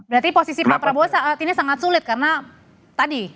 berarti posisi pak prabowo saat ini sangat sulit karena tadi